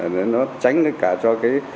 nó tránh nó cả cho cái